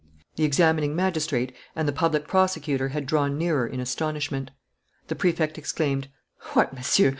The examining magistrate and the public prosecutor had drawn nearer in astonishment. The Prefect exclaimed: "What, Monsieur!